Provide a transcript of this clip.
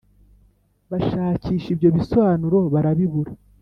bashakisha ibyo bisobanuro barabibura